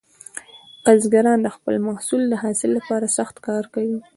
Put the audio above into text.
بزګران د خپل محصول د حاصل لپاره سخت کار کاوه.